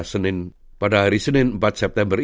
hari senin empat september ini akan memungkinkan fair work kembali